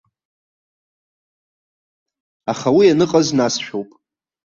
Аха уи аныҟаз насшәоуп.